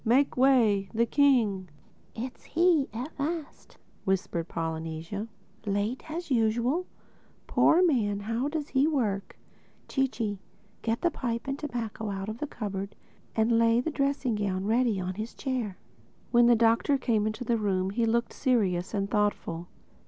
—Make way!—The King!" "It's he—at last," whispered Polynesia—"late, as usual. Poor man, how he does work!—Chee Chee, get the pipe and tobacco out of the cupboard and lay the dressing gown ready on his chair." When the Doctor came into the room he looked serious and thoughtful.